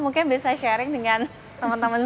mungkin bisa sharing dengan teman teman